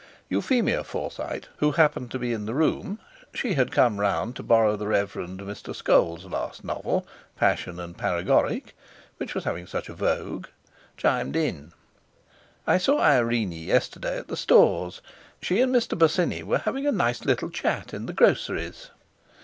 Euphemia Forsyte, who happened to be in the room—she had come round to borrow the Rev. Mr. Scoles' last novel, "Passion and Paregoric", which was having such a vogue—chimed in. "I saw Irene yesterday at the Stores; she and Mr. Bosinney were having a nice little chat in the Groceries."